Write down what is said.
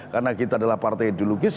karena kita adalah partai ideologis